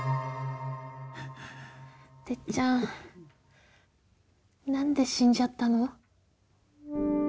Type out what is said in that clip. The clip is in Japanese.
てっちゃん何で死んじゃったの？